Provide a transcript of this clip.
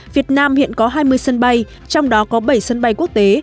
việt nam hiện có hai mươi sân bay trong đó có bảy sân bay quốc tế